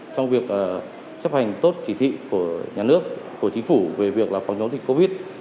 trong việc chấp hành tốt chỉ thị của nhà nước của chính phủ về việc phòng chống dịch covid